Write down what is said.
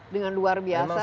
dengan luar biasa